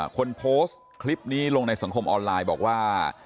คนโพสต์คลิปนี้ลงในสังคมออนไลน์บอกว่า